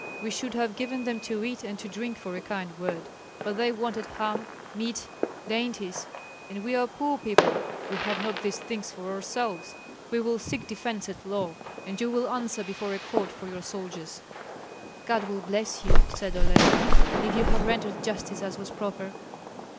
We should have given them to eat and to drink for a kind word; but they wanted ham, mead, dainties, and we are poor people, we have not these things for ourselves. We will seek defence at law, and you will answer before a court for your soldiers.'" "God will bless you," cried Olenka, "if you have rendered justice as was proper."